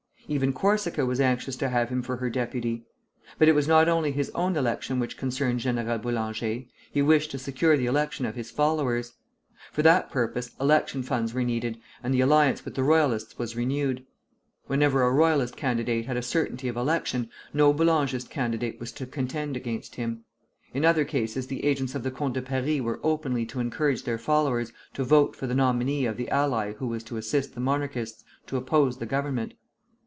Even Corsica was anxious to have him for her deputy. But it was not only his own election which concerned General Boulanger; he wished to secure the election of his followers. For that purpose election funds were needed, and the alliance with the Royalists was renewed. Whenever a Royalist candidate had a certainty of election, no Boulangist candidate was to contend against him. In other cases the agents of the Comte de Paris were openly to encourage their followers to vote for the nominee of the ally who was to assist the Monarchists to oppose the Government.